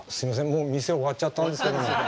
もう店終わっちゃったんですけど。